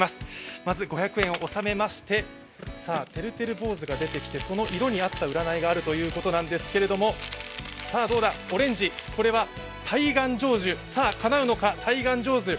まず５００円を納めまして、てるてる坊主が入ってましてその色に合った占いがあるということなんですけど、さあ、どうだオレンジ、これは大願成就、さあ、かなうのか？